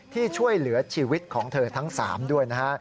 ที่ช่วยเหลือชีวิตของเธอทั้ง๓ด้วยนะฮะ